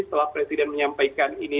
setelah presiden menyampaikan ini